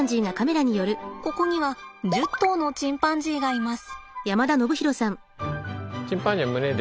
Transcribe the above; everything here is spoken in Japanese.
ここには１０頭のチンパンジーがいます。